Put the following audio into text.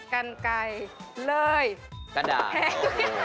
กันไก่เลยแพ้หู้วว